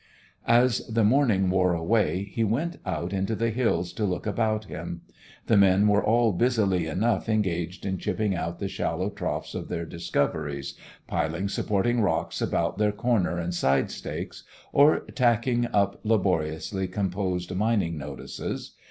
As the morning wore away he went out into the hills to look about him. The men were all busily enough engaged in chipping out the shallow troughs of their "discoveries," piling supporting rocks about their corner and side stakes, or tacking up laboriously composed mining "notices."